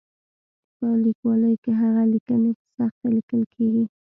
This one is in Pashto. په لیکوالۍ کې هغه لیکنې په سخته لیکل کېږي.